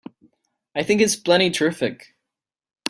I think it's plenty terrific!